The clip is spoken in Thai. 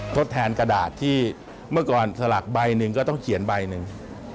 ทดแทนกระดาษที่เมื่อก่อนสลักใบหนึ่งก็ต้องเขียนใบหนึ่ง